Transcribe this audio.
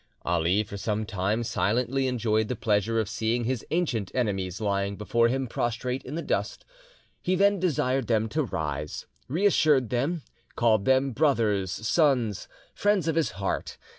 Ali for some time silently enjoyed the pleasure of seeing his ancient enemies lying before him prostrate in the dust. He then desired them to rise, reassured them, called them brothers, sons, friends of his heart.